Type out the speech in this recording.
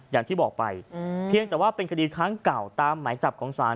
อย่างที่บอกไปเพียงแต่ว่าเป็นคดีครั้งเก่าตามหมายจับของศาล